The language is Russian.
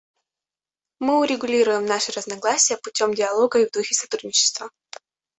Мы урегулируем наши разногласия путем диалога и в духе сотрудничества.